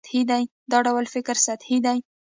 دا ډول فکر سطحي دی.